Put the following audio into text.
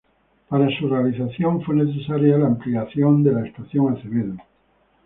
Para su realización fue necesaria la ampliación de la Estación Acevedo.